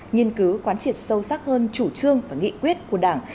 nghiên cứu quán triệt sâu sắc hơn chủ trương và nghị quyết của đảng